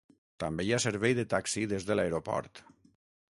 També hi ha servei de taxi des de l'aeroport.